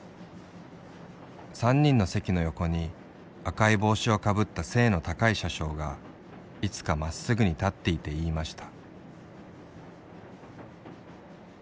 三人の席の横に赤い帽子をかぶったせいの高い車掌がいつかまっすぐに立ってゐて云ひました」。